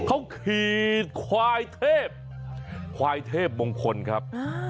เขาขีดควายเทพควายเทพมงคลครับ